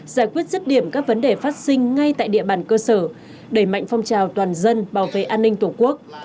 giải quyết rứt điểm các vấn đề phát sinh ngay tại địa bàn cơ sở đẩy mạnh phong trào toàn dân bảo vệ an ninh tổ quốc